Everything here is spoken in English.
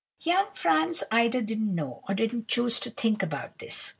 "Young Franz either didn't know, or didn't choose to think about this.